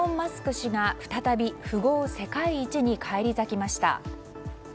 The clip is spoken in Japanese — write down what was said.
氏が再び富豪世界一に返り咲きました。